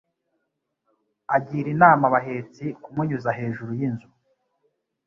Agira inama abahetsi kumunyuza hejuru y'inzu.